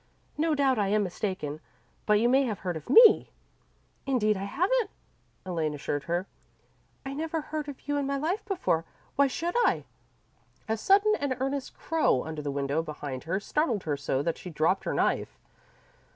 "No doubt I am mistaken, but you may have heard of me?" "Indeed I haven't," Elaine assured her. "I never heard of you in my life before. Why should I?" A sudden and earnest crow under the window behind her startled her so that she dropped her knife.